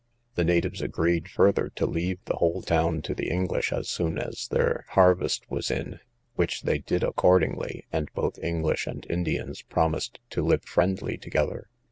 The natives agreed further to leave the whole town to the English as soon as their harvest was in; which they did accordingly, and both English and Indians promised to live friendly together.